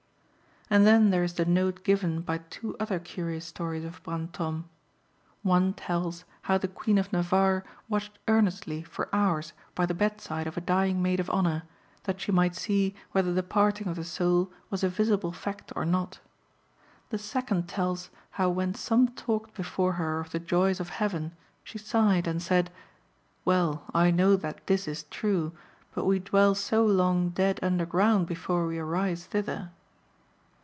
And then there is the note given by two other curious stories of Brantôme. One tells how the Queen of Navarre watched earnestly for hours by the bedside of a dying maid of honour, that she might see whether the parting of the soul was a visible fact or not. The second tells how when some talked before her of the joys of heaven, she sighed and said, "Well, I know that this is true; but we dwell so long dead underground before we arise thither."